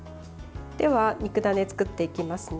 では、肉ダネ作っていきますね。